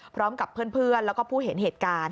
พร้อมกับเพื่อนแล้วก็ผู้เห็นเหตุการณ์